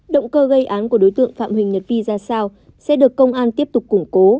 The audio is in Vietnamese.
động cơ gây án của đối tượng phạm huỳnh nhật vi ra sao sẽ được công an tiếp tục củng cố